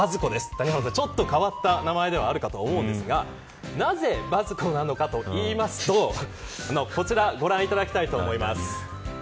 谷原さん、ちょっと変わった名前ではあると思うんですがなぜバズ子なのかと言いますとこちらご覧いただきたいと思います。